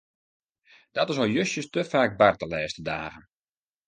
Dat is al justjes te faak bard de lêste dagen.